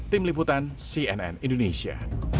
tim liputan cnn indonesia